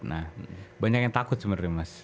nah banyak yang takut sebenarnya mas